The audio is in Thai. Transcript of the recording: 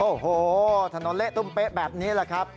โอ้โหถนนเละตุ้มเป๊ะแบบนี้แหละครับ